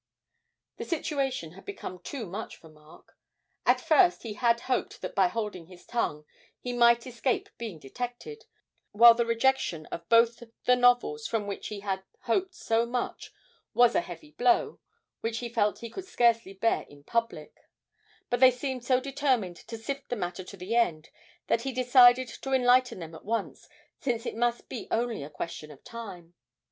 The situation had become too much for Mark; at first he had hoped that by holding his tongue he might escape being detected, while the rejection of both the novels from which he had hoped so much was a heavy blow which he felt he could scarcely bear in public; but they seemed so determined to sift the matter to the end that he decided to enlighten them at once, since it must be only a question of time.